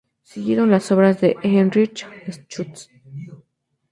Siguieron las obras de Heinrich Schütz.